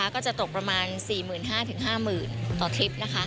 ก็จะตกประมาณ๔๕๐๐๐๕๐๐๐๐บาทต่อทริปนะคะ